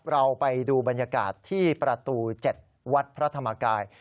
เราไปดูบรรยากาศที่ประตู๗วัดพระธรรมกาย